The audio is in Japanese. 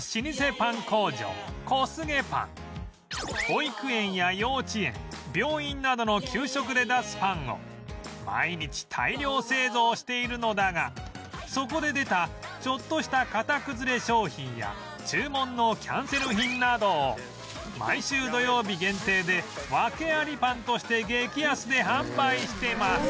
保育園や幼稚園病院などの給食で出すパンを毎日大量製造しているのだがそこで出たちょっとした型崩れ商品や注文のキャンセル品などを毎週土曜日限定でワケありパンとして激安で販売してます